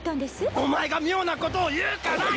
お前が妙なことを言うからっ！